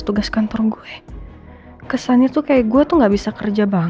dan di interesante